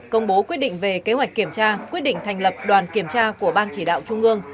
công bố quyết định về kế hoạch kiểm tra quyết định thành lập đoàn kiểm tra của ban chỉ đạo trung ương